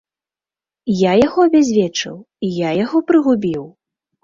Я яго абязвечыў, я яго прыгубіў?